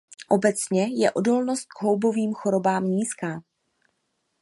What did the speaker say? Obecně je odolnost k houbovým chorobám nízká.